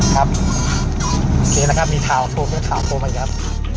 ครับโอเคแล้วครับมีข่าวโทรมาอีกครับ